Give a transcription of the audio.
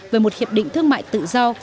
về một hiệp định thương mại tự do